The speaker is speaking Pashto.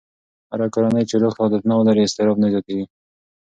هره کورنۍ چې روغ عادتونه ولري، اضطراب نه زیاتېږي.